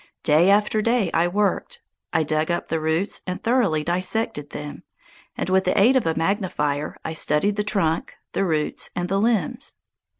Day after day I worked. I dug up the roots and thoroughly dissected them, and with the aid of a magnifier I studied the trunk, the roots, and the limbs.